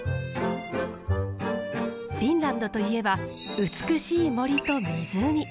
フィンランドといえば美しい森と湖。